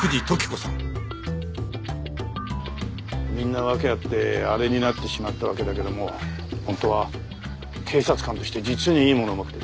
みんな訳あって「あれ」になってしまったわけだけども本当は警察官として実にいいものを持ってる。